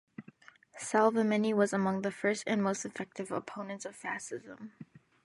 Salvemini was among the first and most effective opponents of Fascism.